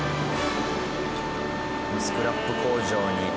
スクラップ工場に。